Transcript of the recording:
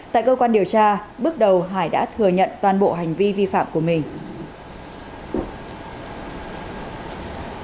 tại cơ quan điều tra bước đầu hải đã thừa nhận toàn bộ hành vi vi phạm của mình